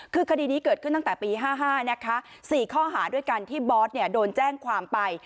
คือคดีนี้เกิดขึ้นตั้งแต่ปี๕๕นะคะ๔ข้อหาด้วยกันที่บอสโดนแจ้งความไป